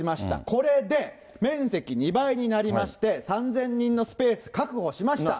これで面積２倍になりまして、３０００人のスペース確保しました。